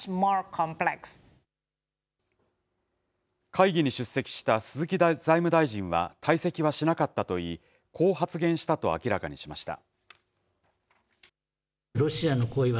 会議に出席した鈴木財務大臣は退席はしなかったといい、こう発言したと明らかにしました。